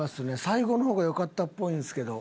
最後の方が良かったっぽいんですけど。